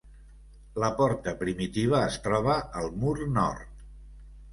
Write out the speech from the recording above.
La porta primitiva es troba al mur nord.